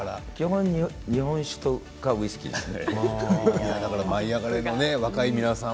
基本は日本酒かウイスキーですね。